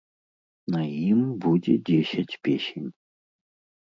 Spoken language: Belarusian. На ім будзе дзесяць песень.